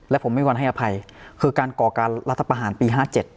และผมไม่ควรให้อภัยคือการก่อการรัฐประหารปี๕๗